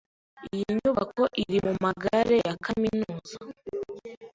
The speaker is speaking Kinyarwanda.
Iyi nyubako iri mumagare ya kaminuza.